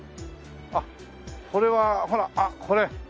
あっこれはほらこれ。